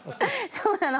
そうなの。